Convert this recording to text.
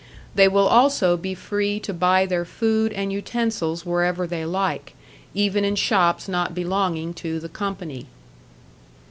They will also be free to buy their food and utensils wherever they like, even in shops not belonging to the Company.